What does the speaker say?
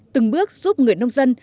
từng bước giúp người nông dân